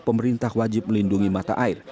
pemerintah wajib melindungi mata air